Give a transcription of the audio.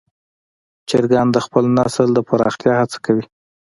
چرګان د خپل نسل د پراختیا هڅه کوي.